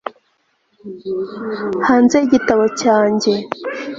hanze y'igitabo cyanjye